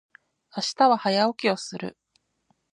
明日は早起きをする。